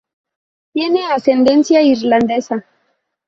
Tiene ascendencia irlandesa.